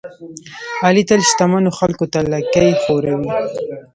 علي تل شتمنو خلکوته لکۍ خوروي.